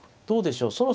どうでしょう。